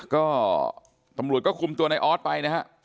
ก็ตรรมหลุดก็คุมตัวในออสไปนะฮะ